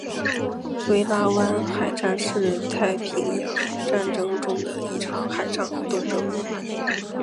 维拉湾海战是太平洋战争中的一场海上战斗。